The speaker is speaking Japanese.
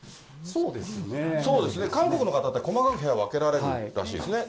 そうですね、韓国の方って細かく部屋分けられるらしいですね。